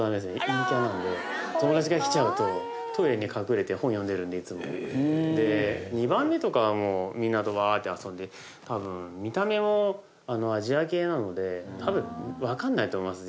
陰キャなんで友達が来ちゃうとトイレに隠れて本読んでるんでいつもで２番目とかはみんなとワーッて遊んで多分見た目もアジア系なので多分分かんないと思います